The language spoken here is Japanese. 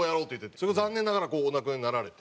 それが残念ながらこうお亡くなりになられて。